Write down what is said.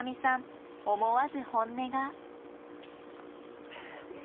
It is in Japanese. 思わず本音が。